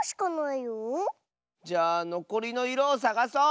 じゃあのこりのいろをさがそう！